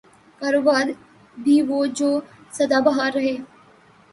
کاروبار بھی وہ جو صدا بہار ہے۔